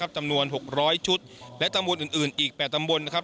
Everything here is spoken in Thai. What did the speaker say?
จำนวน๖๐๐ชุดและตำบลอื่นอีก๘ตำบลนะครับ